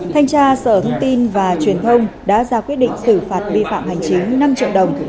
thanh tra sở thông tin và truyền thông đã ra quyết định xử phạt vi phạm hành chính năm triệu đồng